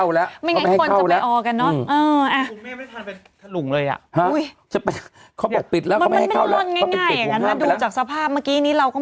อ่าต้องปิดห้ามเข้าแล้วไม่งั้ยจะไปออกันเนอะเอออ่า